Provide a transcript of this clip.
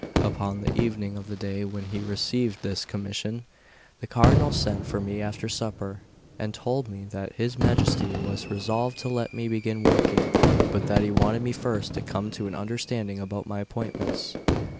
Upon the evening of the day when he received this commission, the Cardinal sent for me after supper, and told me that his Majesty was resolved to let me begin working, but that he wanted me first to come to an understanding about my appointments.